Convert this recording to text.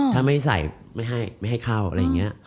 ถ้าไม่ใส่ไม่ให้ไม่ให้เข้าอะไรอย่างนี้